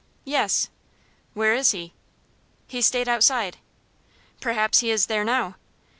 "Yes." "Where is he?" "He stayed outside." "Perhaps he is there now."